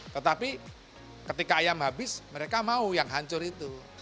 tetapi ketika ayam habis mereka mau yang hancur itu